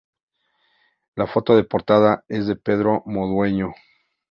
La foto de portada es de Pedro Madueño.